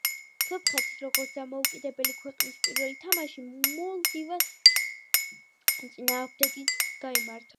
სომხეთის, როგორც დამოუკიდებელი ქვეყნის პირველი თამაში მოლდოვას წინააღმდეგ გაიმართა.